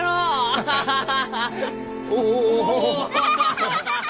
アハハハ。